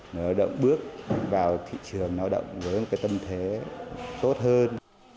nó động bước vào thị trường lao động với một cái tâm thế tốt hơn